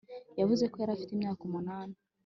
yavuze ko yari afite imyaka umunani;